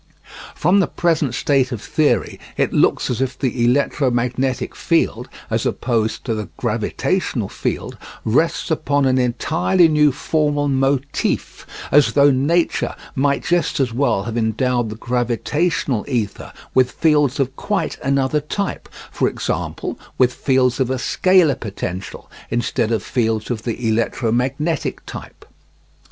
From the present state of theory it looks as if the electromagnetic field, as opposed to the gravitational field, rests upon an entirely new formal motif, as though nature might just as well have endowed the gravitational ether with fields of quite another type, for example, with fields of a scalar potential, instead of fields of the electromagnetic type.